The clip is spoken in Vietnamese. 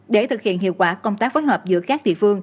để thực hiện hiệu quả công tác phối hợp giữa các địa phương